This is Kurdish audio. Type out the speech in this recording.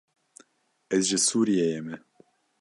Ez ji Sûriyeyê me.